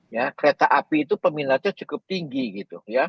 ya kereta api itu peminatnya cukup tinggi gitu ya